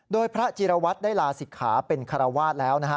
โดยพระจิรวัตรได้ลาศิกขาเป็นคารวาสแล้วนะฮะ